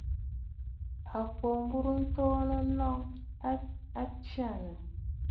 À kwǒ mburə ntoonə nnɔŋ, a tsyânə̀!